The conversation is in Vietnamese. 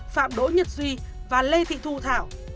phạm đỗ nhật duy và lê thị thu thảo